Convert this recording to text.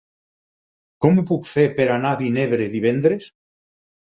Com ho puc fer per anar a Vinebre divendres?